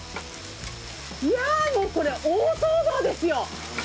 いやー、もう、これ、大騒動ですよ。